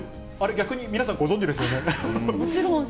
逆に皆さん、ご存じでもちろん。